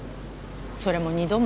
それも二度も。